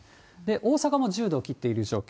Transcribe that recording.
大阪も１０度を切っている状況。